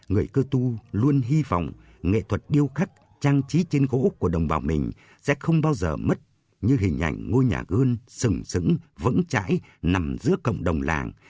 người cư tu luôn hy vọng nghệ thuật điêu khắc trang trí trên gỗ úc của đồng bào mình sẽ không bao giờ mất như hình ảnh ngôi nhà gơn sửng sửng vững chãi nằm giữa cộng đồng làng